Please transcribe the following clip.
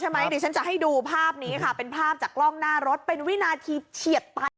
ขนาดมบินภาพนี้ค่ะเป็นภาพจากล้องหน้ารถเป็นวินาทีเฉียบไป